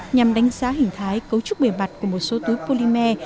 nhằm đánh giá hình thái cấu trúc bề mặt của một số túi polymer